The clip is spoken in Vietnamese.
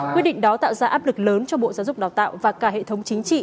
quyết định đó tạo ra áp lực lớn cho bộ giáo dục đào tạo và cả hệ thống chính trị